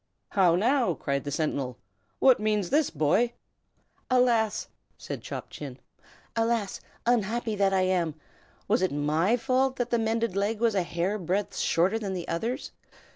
"How now!" cried the sentinel. "What means this, boy?" "Alas!" said Chop Chin, "alas! unhappy that I am! Was it my fault that the mended leg was a hair breadth shorter than the others?